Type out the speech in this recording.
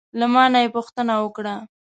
له ما نه یې پوښتنه وکړه: